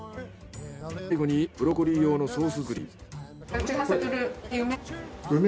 最後にブロッコリー用のソース作り。